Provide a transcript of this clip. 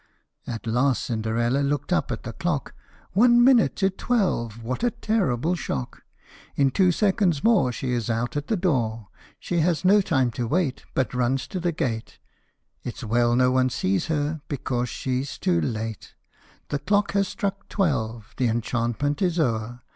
At last Cinderella looked up at the clock, One minute to twelve ! What a terrible shock ! In two seconds more she is out at the door, She has no time to wait, but runs to the gate It 's well no one sees her, because she 's too late : The clock has struck twelve. The enchantment is o'er